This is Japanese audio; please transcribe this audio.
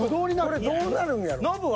これどうなるんやろ。